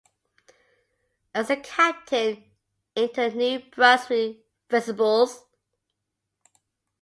As a captain, into the New Brunswick Fencibles.